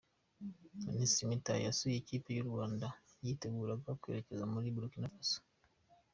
Minisitiri Mitali yasuye ikipe y’u Rwanda yitegura kwerekeza muri Burikina Faso